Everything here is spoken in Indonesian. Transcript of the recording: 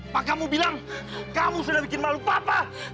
pak kamu bilang kamu sudah bikin malu papa